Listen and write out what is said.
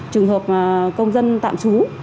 trường hợp công dân tạm trú